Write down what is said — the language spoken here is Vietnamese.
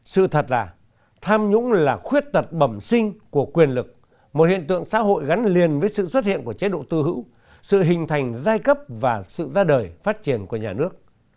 sự thật là tham nhũng là khuyết tật bẩm sinh của quyền lực một hiện tượng xã hội gắn liền với sự xuất hiện của chế độ tư hữu sự hình thành giai cấp và sự ra đời phát triển của nhà nước